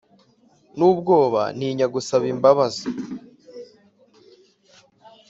nubwoba ntinya gusaba imbabazi"